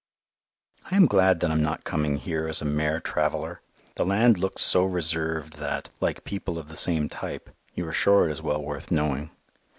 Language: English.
I am glad that I am not coming here as a mere traveller. The land looks so reserved that, like people of the same type, you are sure it is well worth knowing.